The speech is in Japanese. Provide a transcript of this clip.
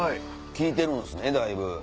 効いてるんすねだいぶ。